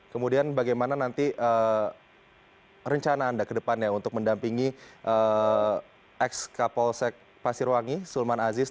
kemudian bagaimana nanti rencana anda ke depannya untuk mendampingi ex kapolsek pasirwangi sulman aziz